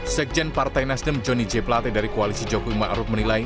sekjen partai nasional johnny j platte dari koalisi jokowi ma'ruf menilai